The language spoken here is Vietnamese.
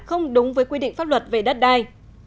không đúng với quy định pháp luật về đất đai